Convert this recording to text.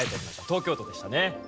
東京都でしたね。